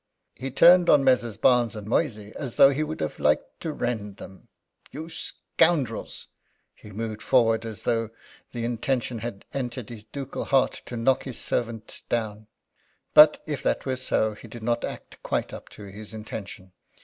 He turned on Messrs. Barnes and Moysey as though he would have liked to rend them: "You scoundrels!" He moved forward as though the intention had entered his ducal heart to knock his servants down. But, if that were so, he did not act quite up to his intention.